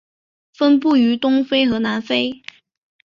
分布于东非和南非。